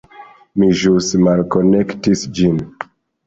Mi ĵus malkonektis ĝin